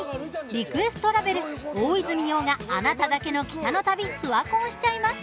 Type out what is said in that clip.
「リクエストラベル大泉洋が“あなただけの北の旅”ツアコンしちゃいます」